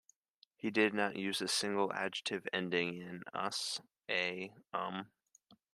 He did not use a single adjective ending in "-us", "-a", "-um".